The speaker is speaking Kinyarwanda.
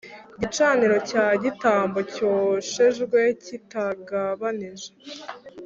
Gicaniro cya gitambo cyoshejwe kitagabanije